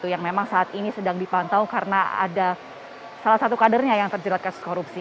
yang memang saat ini sedang dipantau karena ada salah satu kadernya yang terjerat kasus korupsi